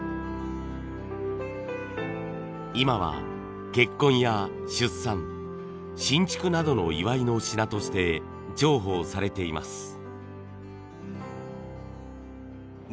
今は結婚や出産新築などの祝いの品として重宝されています。